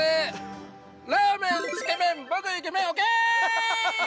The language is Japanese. ラーメン、つけめん、僕イケメン、オーケー！